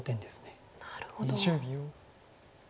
なるほど。